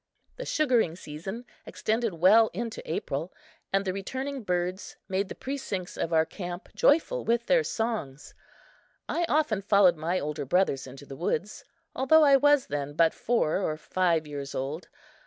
The sugaring season extended well into April, and the returning birds made the precincts of our camp joyful with their songs. I often followed my older brothers into the woods, although I was then but four or five years old.